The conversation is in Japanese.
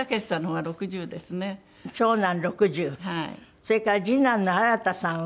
それから次男の新さんは？